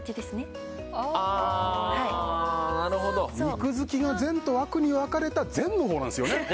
肉好きが善と悪に分かれた善の方なんすよね。